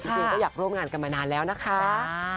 จริงก็อยากร่วมงานกันมานานแล้วนะคะ